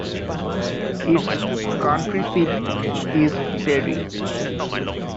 Its county seat is Terry.